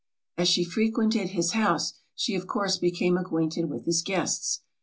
As she frequented his house, she of course became acquainted with his guests.